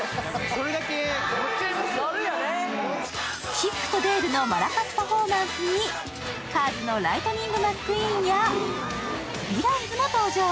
チップとデールのマラカスパフォーマンスに、「カーズ」のライトニング・マックイーンやヴィランズも登場！